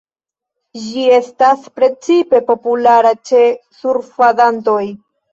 Ĝi estas precipe populara ĉe surfadantoj.